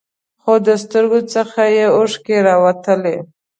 خو د سترګو څخه یې اوښکې راوتلې.